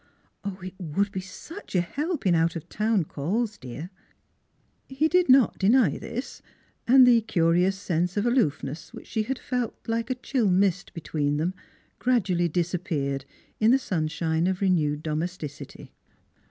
It would be such a help in out of town calls, dear." i2 4 NEIGHBORS He did not deny this; and the curious sense of aloofness which she had felt like a chill mist be tween them gradually disappeared in the sunshine of renewed domesticity.